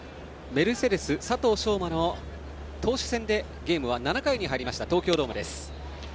メルセデス佐藤奨真の投手戦でゲームは７回に入りました東京ドームです。